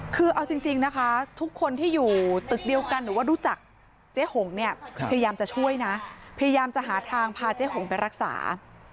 คือเอาจริงนะคะทุกคนที่อยู่ตึกเดียวกันหรือว่ารู้จักเจ๊หงเนี่ยพยายามจะช่วยนะพยายามจะหาทางพาเจ๊หงไปรักษา